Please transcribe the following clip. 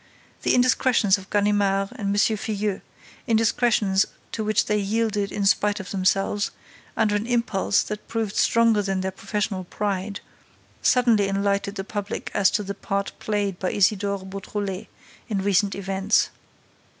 The indiscretions of Ganimard and M. Filleul, indiscretions to which they yielded in spite of themselves, under an impulse that proved stronger than their professional pride, suddenly enlightened the public as to the part played by Isidore Beautrelet in recent events.